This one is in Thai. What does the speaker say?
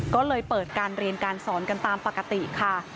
ก็เลยเปิดการเรียนการสอนกันตามปกติค่ะ